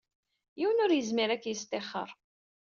Yiwen ur yezmir ad k-yesṭixxer.